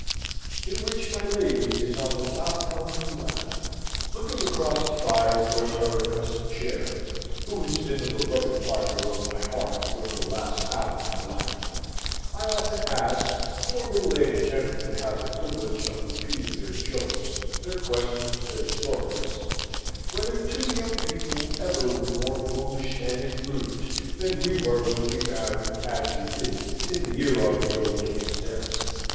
In which My Lady is on the Top of the Ladder Looking across the fire, towards her accustomed chair, who has been the beloved partner of my hearth during the last half of my life, I often ask (for middle aged gentlemen have the privilege of repeating their jokes, their questions, their stories) whether two young people ever were more foolish and imprudent than we were when we married, as we did, in the year of the old King's death?